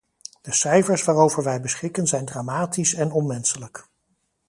De cijfers waarover wij beschikken zijn dramatisch en onmenselijk.